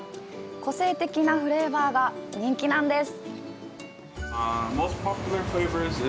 個性的なフレーバーが人気なんです。